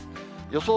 予想